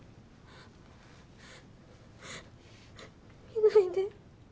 見ないで。